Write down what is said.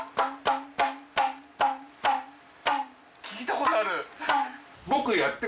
聞いたことある。